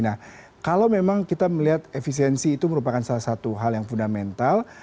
nah kalau memang kita melihat efisiensi itu merupakan salah satu hal yang fundamental